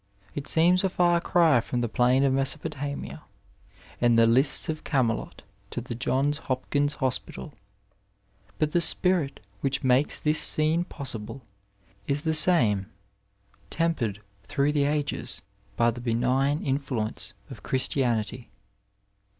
It seems a &r cry from the plain of Mesopotamia and the lists of CSamelot to the Johns Hopkins Hospital, but the spirit which makes this scena 16 Digitized by Google DOCTOR AND NUB8E poesible is the same, tempered through the ages, by the benign inflnence of Christianity.